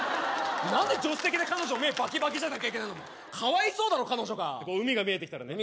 何で助手席で彼女目バキバキじゃなきゃいけないのかわいそうだろ彼女がこう海が見えてきたらね